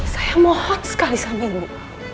saya mohon sekali sama ibu